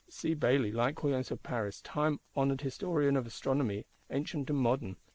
See Bailly, likewise of Paris, time honoured Historian of Astronomy Ancient and Modern.